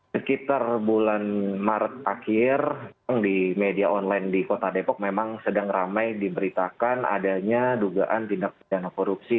sekitar bulan maret akhir di media online di kota depok memang sedang ramai diberitakan adanya dugaan tindak pidana korupsi